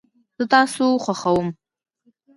زه تاسو خوښوم